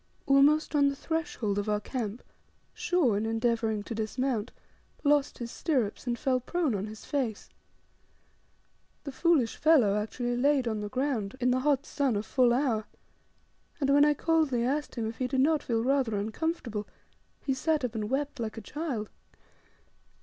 Almost on the threshold of our camp Shaw, in endeavouring to dismount, lost his stirrups, and fell prone on his face. The foolish fellow actually, laid on the ground in the hot sun a full hour; and when I coldly asked him if he did not feel rather uncomfortable, he sat up, and wept like a child.